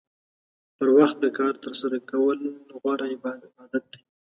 پر وخت د کار ترسره کول غوره عادت دی.